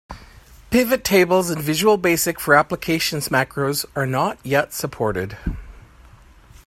Pivot tables and Visual Basic for Applications macros are not yet supported.